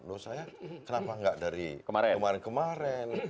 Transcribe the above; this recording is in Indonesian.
loh saya kenapa nggak dari kemarin kemarin